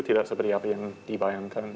tidak seperti apa yang dibayangkan